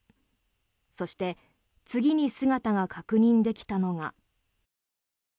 そして次に姿が確認できたのが。